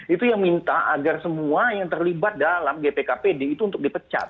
itu yang minta agar semua yang terlibat dalam gpkpd itu untuk dipecat